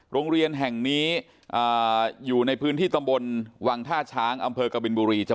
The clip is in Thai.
โรงเรียนแห่งนี้อยู่ในพื้นที่ตำบลวังท่าช้างอำเภอกบินบุรี